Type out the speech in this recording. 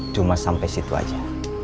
cuma sampai situ aja